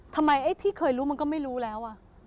ไอ้ที่เคยรู้มันก็ไม่รู้แล้ว